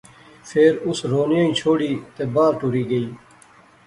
فیر اس رونیا ایہہ چھوڑی تے باہر ٹری گئی